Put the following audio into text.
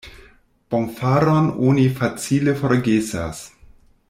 Bonfaron oni facile forgesas.